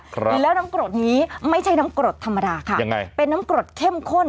ครับแล้วน้ำกรดนี้ไม่ใช่น้ำกรดธรรมดาค่ะยังไงเป็นน้ำกรดเข้มข้น